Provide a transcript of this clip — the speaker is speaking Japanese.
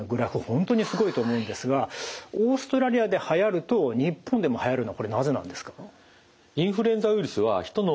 本当にすごいと思うんですがオーストラリアではやると日本でもはやるのはなぜなんですか？